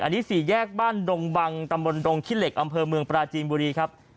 อันนี้สี่แยกบ้านดงบังตำบลดงขี้เหล็กอำเภอเมืองปราจีนบุรีครับ